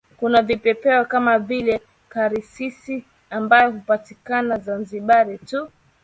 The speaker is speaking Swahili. Kuna Vipepeo kama vile Karasisi ambaye hupatiakana Zanzibar tu